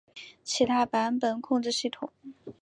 其他版本控制系统